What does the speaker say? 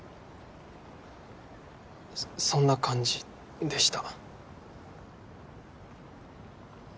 そんな感じでした。